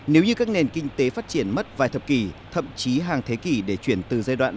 nếu như các nền kinh tế phát triển mất vài thập kỷ thậm chí hàng thế kỷ để chuyển từ giai đoạn